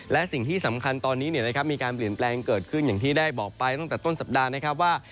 และสิ่งที่สำคัญตอนนี้มีการเปลี่ยนแปลงเกิดขึ้นอย่างที่ได้บอกไปตั้งแต่ต้นสัปดาห์นะครับว่า